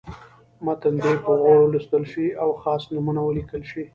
متن دې په غور ولوستل شي او خاص نومونه ولیکل شي.